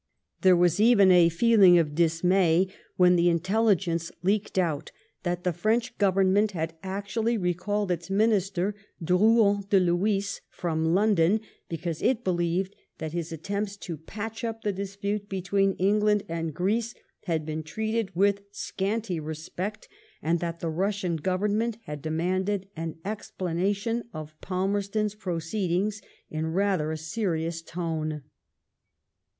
There was even a feeling of dismay when the intelligence leaked out that the French Ooyemment had actually recalled its Minister, Dronyn de Lhuys, from London, because it believed that his attempts to patch up the dispute between England and Greece had been treated with scanty respect, and that the Bussian Government had demanded an explanation of Falmerstons's proceed ings in rather a serious tone.